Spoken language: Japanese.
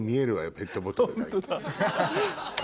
ペットボトルが今。